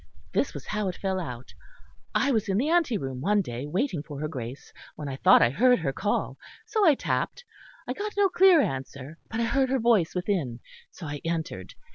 This was how it fell out. I was in the anteroom one day, waiting for her Grace, when I thought I heard her call. So I tapped; I got no clear answer, but I heard her voice within, so I entered.